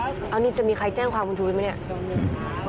พี่ซีฟีเอานี้จะมีใครแจ้งความคุณชูวิทรไหมเนี่ย